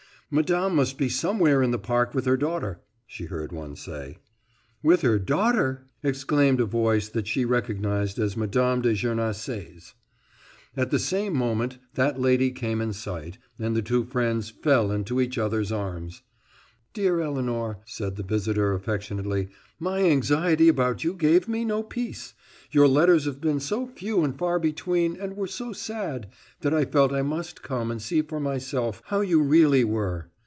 "Madame must be somewhere in the park with her daughter," she heard one say. "With her daughter!" exclaimed a voice that she recognized as Mme. de Gernancé's. At the same moment that lady came in sight, and the two friends fell into each other's arms. "Dear Elinor," said her visitor affectionately, "my anxiety about you gave me no peace. Your letters have been so few and far between, and were so sad, that I felt I must come and see for myself how you really were.